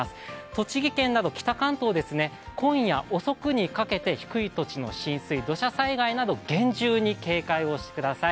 栃木県など北関東、今夜土地の低いところは土砂災害など厳重に警戒をしてください。